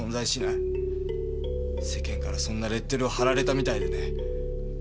世間からそんなレッテルを貼られたみたいでね。